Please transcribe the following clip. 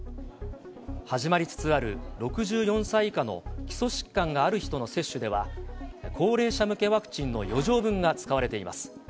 始まりつつある６４歳以下の基礎疾患がある人の接種では、高齢者向けワクチンの余剰分が使われています。